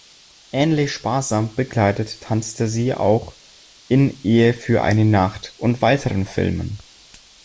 Ähnlich sparsam bekleidet tanzte sie auch in "Ehe für eine Nacht" und weiteren Filmen.